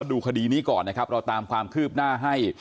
ดูคดีนี้ก่อนนะครับเราตามความคืบหน้าให้